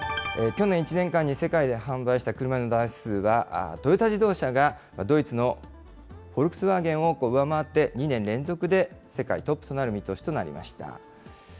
去年１年間に世界で販売した車の台数は、トヨタ自動車がドイツのフォルクスワーゲンを上回って、２年連続で世界トップとなる見通しとなりました。